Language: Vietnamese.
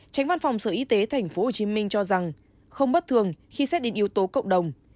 tránh văn phòng sở y tế tp hcm cho rằng không bất thường khi xét đến yếu tố cộng đồng